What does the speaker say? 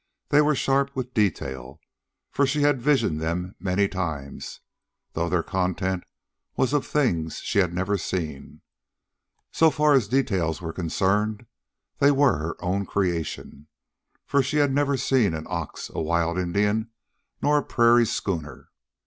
They were sharp with detail, for she had visioned them many times, though their content was of things she had never seen. So far as details were concerned, they were her own creation, for she had never seen an ox, a wild Indian, nor a prairie schooner.